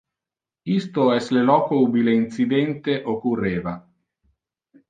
Isto es le loco ubi le incidente occurreva.